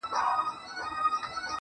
په ورځ کي لس وارې له خپلې حافظې وځم~